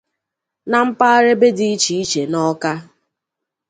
na mpaghara ebe dị iche iche n'Ọka